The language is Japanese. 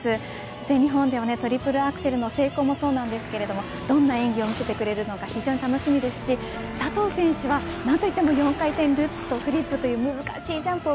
全日本ではトリプルアクセルの成功もそうですがどんな演技を見せてくれるのか非常に楽しみですし佐藤選手は４回転ルッツとフリップという難しいジャンプを